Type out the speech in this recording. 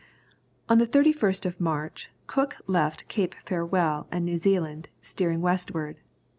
On the 31st of March, Cook left Cape Farewell and New Zealand, steering westward.